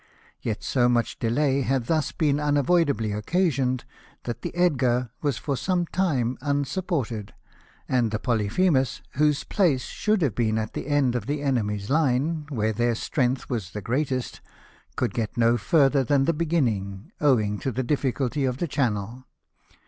Yet so much delay had thus been unavoidably occasioned, that the Edgar was for sometime unsupported ; and the Polyphemus, whose place should have been at the end of the enemy's line, where their strength was the greatest, could get no further than the beginning, owing to the difficulty of the channel.